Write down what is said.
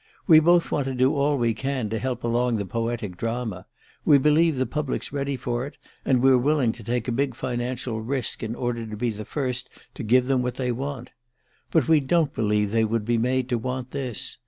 We both want to do all we can to help along the poetic drama we believe the public's ready for it, and we're willing to take a big financial risk in order to be the first to give them what they want. _But we don't believe they could be made to want this.